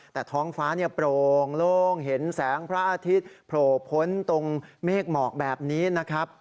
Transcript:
แต่ท้องฟ้าโปร่งโล่งเห็นแสงพระอาทิตย์โผล่พ้นตรงเมฆหมอกแบบนี้นะครับ